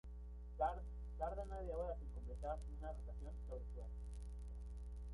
Tarda nueve horas en completar una rotación sobre su eje.